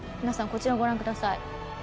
こちらをご覧ください。